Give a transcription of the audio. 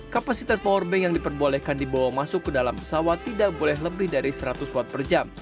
kapasitas powerbank yang diperbolehkan dibawa masuk ke dalam pesawat tidak boleh lebih dari seratus watt per jam